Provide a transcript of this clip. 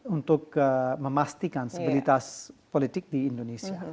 untuk memastikan sebilitas politik di indonesia